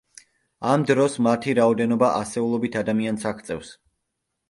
ამ დროს მათი რაოდენობა ასეულობით ადამიანს აღწევს.